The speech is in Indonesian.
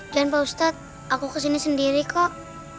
pak ustadz aku kesini sendiri kok